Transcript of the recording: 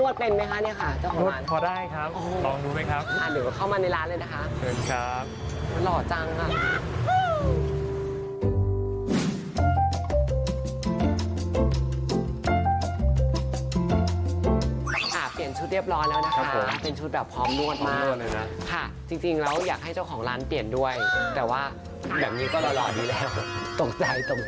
จริงแล้วอยากให้เจ้าของร้านเปลี่ยนด้วยแต่ว่าแบบนี้ก็หล่อดีแล้วตกใจ